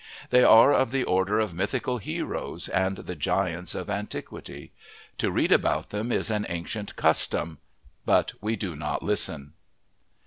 They are of the order of mythical heroes and the giants of antiquity. To read about them is an ancient custom, but we do not listen.